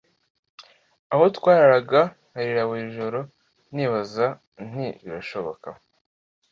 aho twararaga nkarira buri joro nibaza nti birashoboka